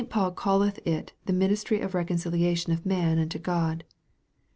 Paul calleth it the ministry of reconciliation of man unto God.